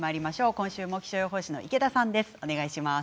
今週も気象予報士の池田さんです。